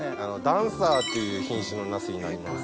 ダンサーっていう品種のナスになります。